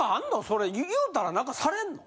それ言うたら何かされんの？